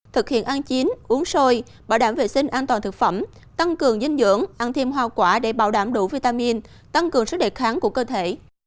thực hiện ăn chín uống sôi bảo đảm vệ sinh an toàn thực phẩm tăng cường dinh dưỡng ăn thêm hoa quả để bảo đảm đủ vitamin tăng cường sức đề kháng của cơ thể